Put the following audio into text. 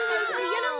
やろう！